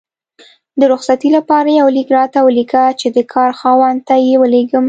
د رخصتي لپاره یو لیک راته ولیکه چې د کار خاوند ته یې ولیږم